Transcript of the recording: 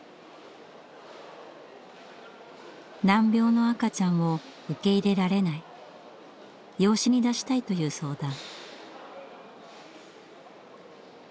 難病の赤ちゃんを受け入れられない養子に出したいという相談。